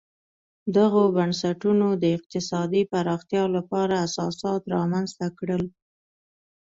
دغو بنسټونو د اقتصادي پراختیا لپاره اساسات رامنځته کړل.